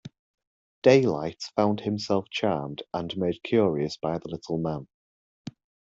Daylight found himself charmed and made curious by the little man.